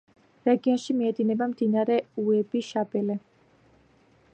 რეგიონში მიედინება მდინარე უები-შაბელე.